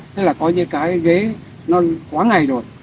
thế là coi như cái ghế nó quá ngày rồi